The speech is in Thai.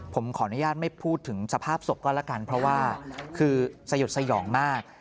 ผมขออนุญาตไม่พูดถึงสภาพศพก็แล้วกันเพราะว่าคือสยดสยองมาก